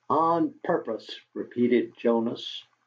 "On purpose!" repeated Jonas.